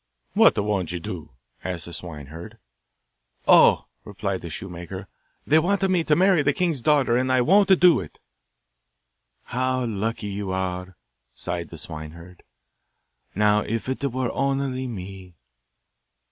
'What won't you do?' asked the swineherd. 'Oh,' replied the shoemaker. 'They want me to marry the king's daughter, and I won't do it.' 'How lucky you are!' sighed the swineherd. 'Now, if it were only me!